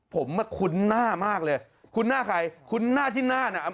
ผมคุณหน้ามากเลยคุณหน้าใครคุณหน้าที่น่าน่ะ